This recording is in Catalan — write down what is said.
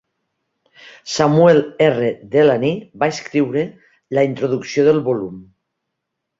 Samuel R. Delany va escriure la introducció del volum.